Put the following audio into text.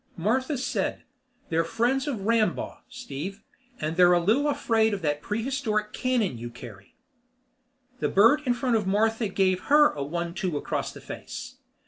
Martha said, "They're friends of Rambaugh, Steve. And they're a little afraid of that prehistoric cannon you carry." The bird in front of Martha gave her a one two across the face.